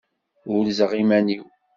Urzeɣ iman-iw.